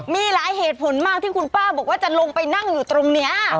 มีหลายเหตุผลมากที่คุณป้าบอกว่าจะลงไปนั่งอยู่ตรงนี้